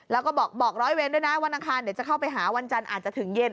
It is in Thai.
แล้วก็บอกร้อยเวรด้วยนะวันอังคารเดี๋ยวจะเข้าไปหาวันจันทร์อาจจะถึงเย็น